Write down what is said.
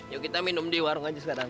yuk kita minum di warung aja sekarang